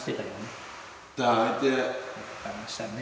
探したね。